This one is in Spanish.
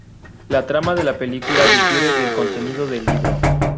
La trama de la película difiere del contenido del libro.